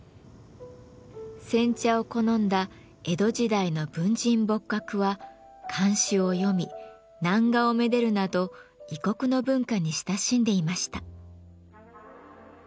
煎茶を好んだ江戸時代の文人墨客は漢詩を詠み南画をめでるなど異国の文化に親しんでいました。